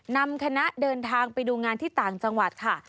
นำคณะเดินทางไปดูงานที่ต่างจังหวัดค่ะ